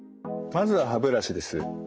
まず歯ブラシです。